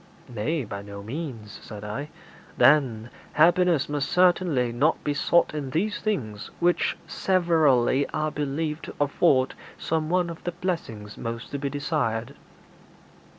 'Nay; by no means,' said I. 'Then, happiness must certainly not be sought in these things which severally are believed to afford some one of the blessings most to be desired.'